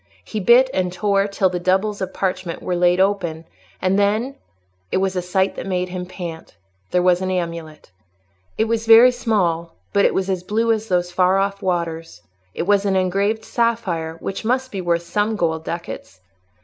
He bit and tore till the doubles of parchment were laid open, and then—it was a sight that made him pant—there was an amulet. It was very small, but it was as blue as those far off waters; it was an engraved sapphire, which must be worth some gold ducats.